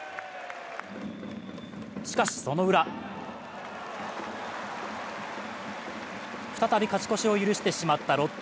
しかし、そのウラ再び勝ち越しを許してしまったロッテ。